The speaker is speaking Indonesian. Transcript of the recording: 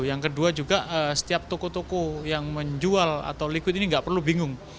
yang kedua juga setiap toko toko yang menjual atau liquid ini nggak perlu bingung